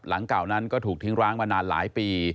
หลังเก่านั้นก็ถูกทิ้งร้างมานานหลายปี